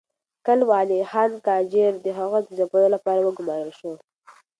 کلب علي خان قاجار د هغه د ځپلو لپاره وګمارل شو.